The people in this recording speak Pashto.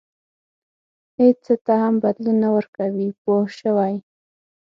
هېڅ څه ته هم بدلون نه ورکوي پوه شوې!.